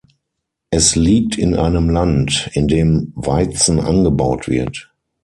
Es liegt in einem Land, in dem Weizen angebaut wird.